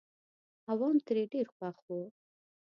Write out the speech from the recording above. عوام ترې ډېر خوښ وو.